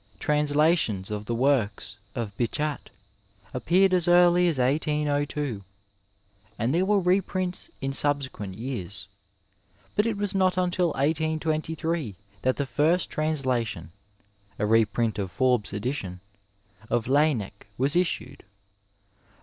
Translations of the works of Bichat appeared as early as 1802, and there were reprints in subsequent years, but it was not until 1823 that the first translation (a reprint of Forbes' edition) of Lafinnec was issued.